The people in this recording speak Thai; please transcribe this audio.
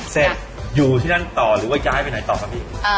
เสร็จอยู่ที่นั่นต่อหรือว่าจะให้ไปไหนต่อกันอีก